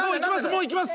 もういきます。